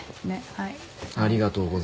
はい。